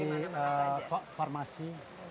misalkan dari farmasi